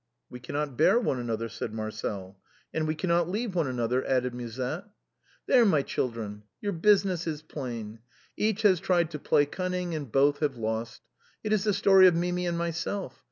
" We cannot bear one another," said Marcel. " And we cannot leave one another," added Musette. 184 DONEC GRATUS. 185 " There, my children, your business is plain. Each has tried to play cunning, and both have lost. It is the story of Mimi and myself.